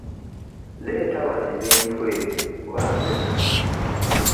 Leeta wano ebintu ebyo kuba nze nnabikutumye.